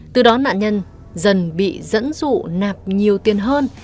từ đó nạn nhân dần bị dẫn dụ nạp nhiều tiền hơn